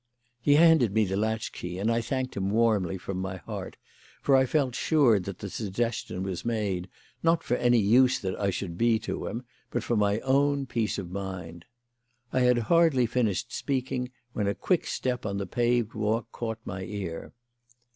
He handed me the latchkey and I thanked him warmly from my heart, for I felt sure that the suggestion was made, not for any use that I should be to him, but for my own peace of mind. I had hardly finished speaking when a quick step on the paved walk caught my ear.